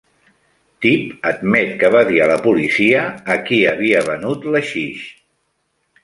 Tip admet que va dir a la policia a qui havia venut l'haixix.